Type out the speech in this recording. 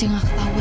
yang sepupu banget